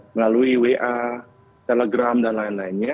melalui wa telegram dan lain lainnya